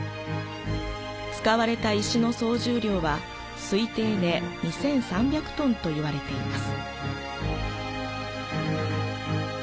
使われた石の総重量は推定で２３００ｔといわれています。